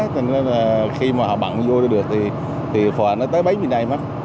nên là khi mà họ bận vô được thì phòa nó tới bấy mươi đai mất